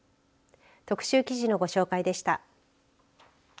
特集記事のご紹介でした。